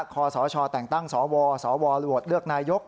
คศแต่งตั้งสวสวโหวตเลือกนายก